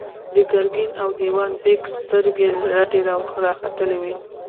د ګرګين او دېوان بېګ سترګې رډې راختلې وې.